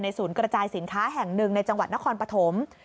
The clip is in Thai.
ศูนย์กระจายสินค้าแห่งหนึ่งในจังหวัดนครปฐม